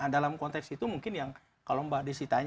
dalam konteks itu mungkin yang kalau mbak desita yang